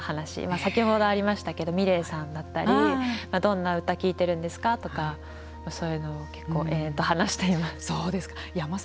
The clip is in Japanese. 先ほどありましたけどｍｉｌｅｔさんだったりどんな歌を聞いてるんですかとかそういうのも結構話しています。